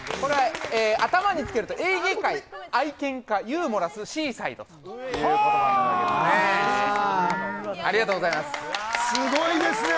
頭につけるとエーゲ海、愛犬家、ユーモラス、シーサイドということなんですね。